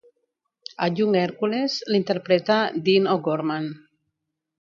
A "Young Hercules", l'interpreta Dean O'Gorman.